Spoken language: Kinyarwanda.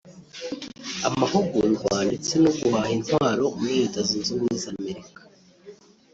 amahugurwa ndetse no guhaha intwaro muri Leta Zunze Ubumwe za Amerika